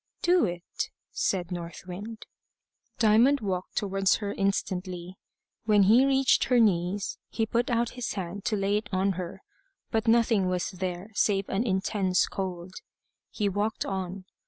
"Do it," said North Wind. Diamond walked towards her instantly. When he reached her knees, he put out his hand to lay it on her, but nothing was there save an intense cold. He walked on.